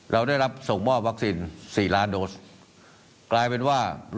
เราได้รับส่งมอบวัคซีน๔ล้านโดสกลายเป็นว่า